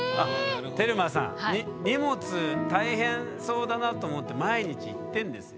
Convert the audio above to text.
テルマさん荷物大変そうだなと思って毎日行ってんですよ。